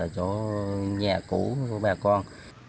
chỗ nhà cũ của bà con